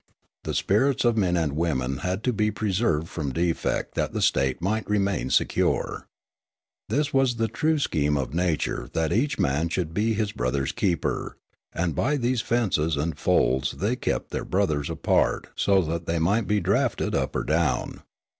The spirits of men and women had to be preserved from defect that the state might remain secure. This was the true scheme of nature that each man should be his brother's keeper ; and by these fences and folds they kept their brothers apart so that they might be draughted up or down.